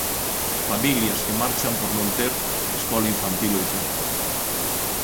Familias que marchan por non ter escola infantil ou transporte.